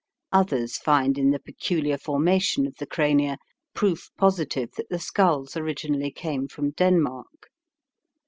Others find in the peculiar formation of the crania proof positive that the skulls originally came from Denmark.